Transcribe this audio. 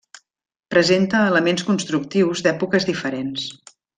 Presenta elements constructius d'èpoques diferents.